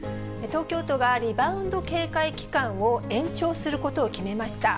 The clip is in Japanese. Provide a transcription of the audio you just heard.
東京都がリバウンド警戒期間を延長することを決めました。